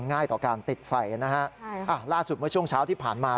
ง่ายต่อการติดไฟนะฮะล่าสุดเมื่อช่วงเช้าที่ผ่านมา